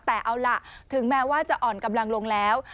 แต่เอาล่ะถึงแม้ว่าจะอ่อนกำลังลงแล้ว